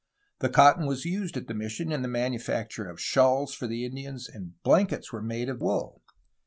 The cotton was used at the mission in the manufacture of shawls for the Indians, and blankets were made of wool.